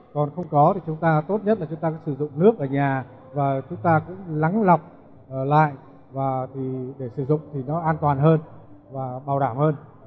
còn không có thì chúng ta tốt nhất là chúng ta cứ sử dụng nước ở nhà và chúng ta cũng lắng lọc lại và để sử dụng thì nó an toàn hơn và bảo đảm hơn